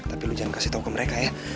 tapi lo jangan kasih tau ke mereka ya